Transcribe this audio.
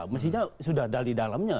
mestinya sudah ada di dalamnya